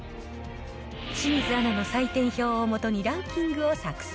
清水アナの採点表を基にランキングを作成。